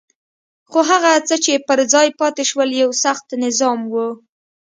خو هغه څه چې پر ځای پاتې شول یو سخت نظام وو.